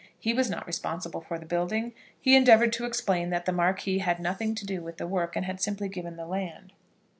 He was not responsible for the building. He endeavoured to explain that the Marquis had nothing to do with the work, and had simply given the land.